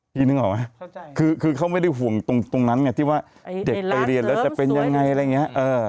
นึกออกไหมคือเขาไม่ได้ห่วงตรงนั้นไงที่ว่าเด็กไปเรียนแล้วจะเป็นยังไงอะไรอย่างนี้